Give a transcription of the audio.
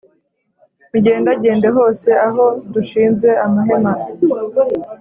mugendagende hose aho dushinze amahema